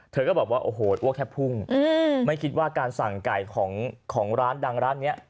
เธอก็บอกว่าโอ้โหอ้วกแทบพุ่งไม่คิดว่าการสั่งไก่ของร้านดังร้านนี้